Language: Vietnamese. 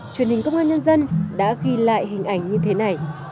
truyền hình công an nhân dân đã ghi lại hình ảnh như thế này